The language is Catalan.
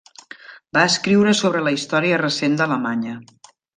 Va escriure sobre la història recent d'Alemanya.